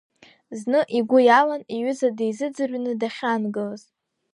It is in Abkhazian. Зны игәы иалан иҩыза дизыӡырҩны дахьаангылаз…